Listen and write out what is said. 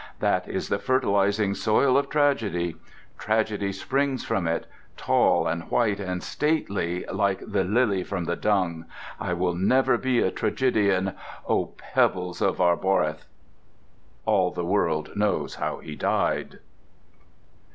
That is the fertilizing soil of tragedy. Tragedy springs from it, tall and white and stately like the lily from the dung. I will never be a tragedian. Oh, pebbles of Arbroath!" All the world knows how he died....